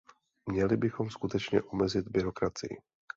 Měli bychom skutečně omezit byrokracii.